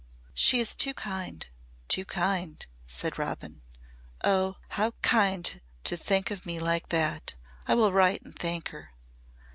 "She is too kind too kind," said Robin. "Oh! how kind to think of me like that. I will write and thank her."